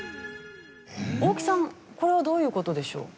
大木さんこれはどういう事でしょう？